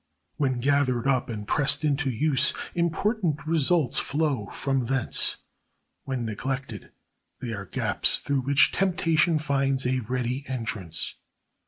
When gathered up and pressed into use important results flow from thence; when neglected they are gaps through which temptation finds a ready entrance.